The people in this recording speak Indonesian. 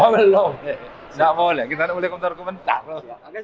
belum tidak boleh kita boleh komentar komentar